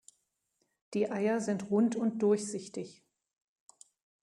Die Eier sind rund und durchsichtig.